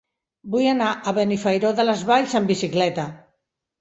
Vull anar a Benifairó de les Valls amb bicicleta.